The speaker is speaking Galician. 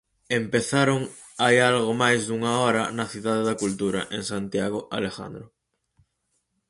Empezaron hai algo máis dunha hora na cidade da cultura, en Santiago, Alejandro.